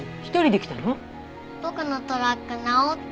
僕のトラック直った？